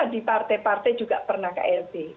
di partai partai juga pernah klb